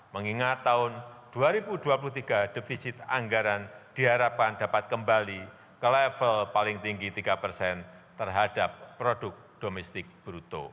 mengingat tahun dua ribu dua puluh tiga defisit anggaran diharapkan dapat kembali ke level paling tinggi tiga persen terhadap produk domestik bruto